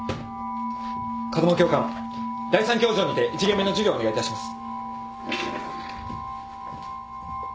風間教官第３教場にて１限目の授業お願いいたします。